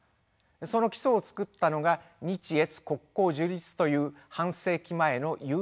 その基礎を作ったのが日越国交樹立という半世紀前の勇断でありました。